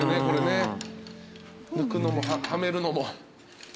これね抜くのもはめるのも。